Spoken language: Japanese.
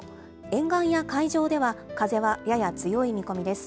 沿岸や海上では、風はやや強い見込みです。